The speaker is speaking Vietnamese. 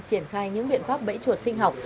triển khai những biện pháp bẫy chuột sinh học